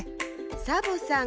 サボさん